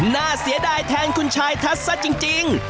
น่าเสียดายแทนคุณชายทัศน์ซะจริง